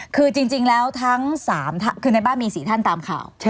คือจริงแล้วทั้ง๓คือในบ้านมี๔ท่านตามข่าว